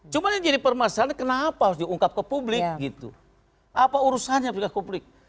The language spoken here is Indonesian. cuma yang jadi permasalahan kenapa harus diungkap ke publik gitu apa urusannya ke publik